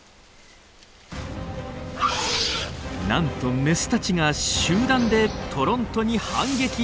なんとメスたちが集団でトロントに反撃！